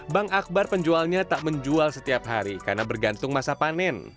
bang akbar penjualnya tak menjual setiap hari karena bergantung masa panen